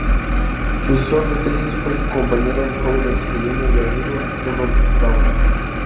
Su asesor de tesis fue su compañero joven hegeliano y amigo, Bruno Bauer.